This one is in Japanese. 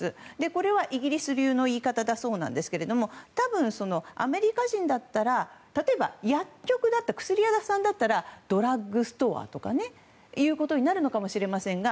これはイギリス流の言い方だそうなんですけど多分、アメリカ人だったら例えば薬局、薬屋さんだったらドラッグストアということになるのかもしれませんが。